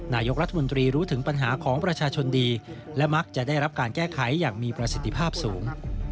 นายกรัฐมนตรีรู้ถึงปัญหาของประชาชนดีและมักจะได้รับการแก้ไขอย่างมีประสิทธิภาพสูง